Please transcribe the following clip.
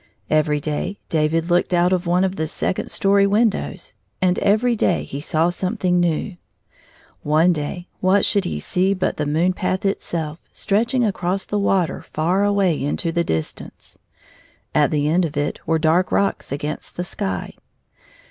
Every day David looked out of one of the second story windows, and every day he saw something new. One day, what should he see but the moon path itself stretching across the water far away into the distance. At the end of it were dark rocks against the sky.